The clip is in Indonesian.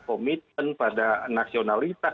komitmen pada nasionalitas